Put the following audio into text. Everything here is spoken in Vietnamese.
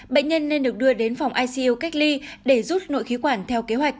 bệnh nhân nên được đưa đến phòng icu cách ly để rút nội khí quản theo kế hoạch